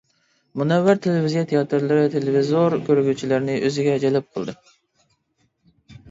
مۇنەۋۋەر تېلېۋىزىيە تىياتىرلىرى تېلېۋىزور كۆرگۈچىلەرنى ئۆزىگە جەلپ قىلدى.